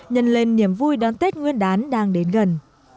nhân lên niềm vui đón tết nguyên đán đang đến gần